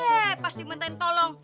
eh pasti mau minta tolong